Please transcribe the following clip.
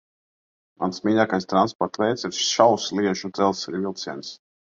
Mans mīļākais transporta veids ir šaursliežu dzelzceļa vilciens.